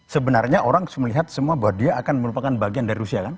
sebenarnya orang melihat semua bahwa dia akan merupakan bagian dari rusia kan